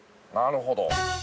なるほど。